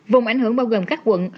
vùng ảnh hưởng bao gồm các quận